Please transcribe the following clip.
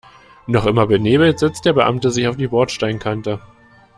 Noch immer benebelt setzt der Beamte sich auf die Bordsteinkante.